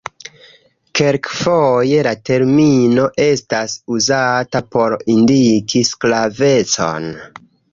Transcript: Kelkfoje la termino estas uzata por indiki sklavecon.